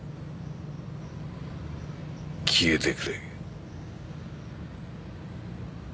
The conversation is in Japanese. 消えてくれ。